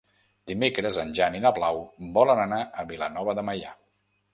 Dimecres en Jan i na Blau volen anar a Vilanova de Meià.